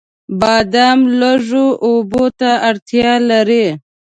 بادام لږو اوبو ته اړتیا لري.